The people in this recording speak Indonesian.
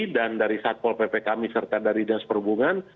dan dari satpol ppkm serta dari dias perhubungan